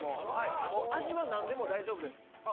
味はなんでも大丈夫です。